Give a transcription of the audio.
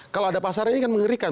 kalau ada pasar ini kan mengerikan